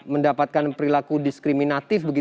mendapatkan perilaku diskriminatif